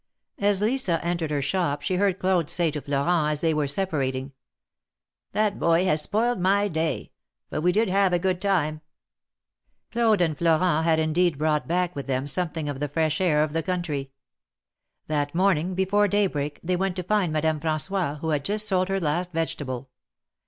As Lisa entered her shop, she heard Claude say to Flo rent, as they were separating : ''That boy has spoiled my day; but we did have a good time !" Claude and Florent had indeed brought back with them something of the fresh air of the country. That morning before daybreak they went to find Madame Fran9ois, who liad just sold her last vegetable.